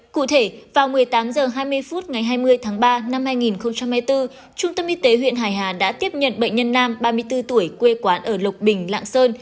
cụ thể vào một mươi tám h hai mươi phút ngày hai mươi tháng ba năm hai nghìn hai mươi bốn trung tâm y tế huyện hải hà đã tiếp nhận bệnh nhân nam ba mươi bốn tuổi quê quán ở lộc bình lạng sơn